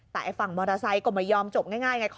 แต่ฝั่งมอเตอร์ไซค์ก็ไม่ยอมจบง่ายไง